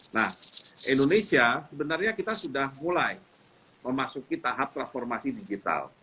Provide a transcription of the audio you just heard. nah indonesia sebenarnya kita sudah mulai memasuki tahap transformasi digital